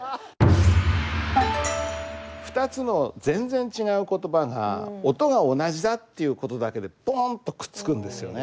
２つの全然違う言葉が音が同じだっていうことだけでポンとくっつくんですよね。